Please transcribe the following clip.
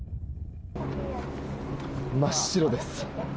真っ白です。